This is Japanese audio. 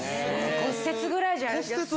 骨折ぐらいじゃ休んでない。